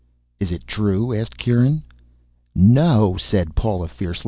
"Is it true?" asked Kieran. "No," said Paula fiercely.